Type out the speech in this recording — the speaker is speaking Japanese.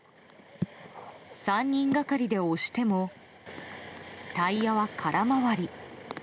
３人がかりで押してもタイヤは空回り。